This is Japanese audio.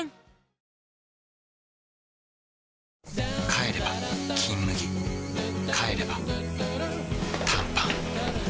帰れば「金麦」帰れば短パン